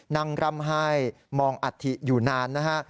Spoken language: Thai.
ร่ำไห้มองอัฐิอยู่นานนะฮะ